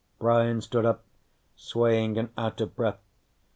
_ Brian stood up, swaying and out of breath.